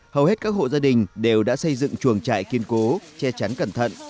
hầu hết các hộ gia đình đều đã xây dựng chuồng trại kiên cố che chắn cẩn thận